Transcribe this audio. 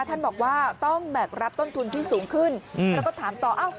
ท่านบอกว่าต้องแบกรับต้นทุนที่สูงขึ้นแล้วก็ถามต่อเอ้า